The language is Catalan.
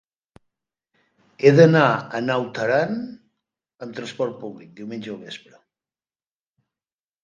He d'anar a Naut Aran amb trasport públic diumenge al vespre.